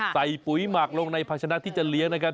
ใส่ผุยหมักลงในพัชนักที่จะเลี้ยงนะครับ